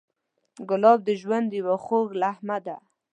ګلاب د ژوند یو خوږ لمحه ده.